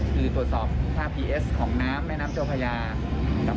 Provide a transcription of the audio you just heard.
คุณซัยจริงมากนะครับ